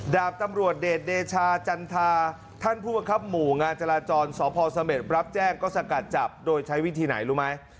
ดาบตำรวจเดชเดชาจันทราท่านผู้บังคับหมู่งานจราจรสพเสม็ดรับแจ้งก็สกัดจับโดยใช้วิธีไหนรู้ไหม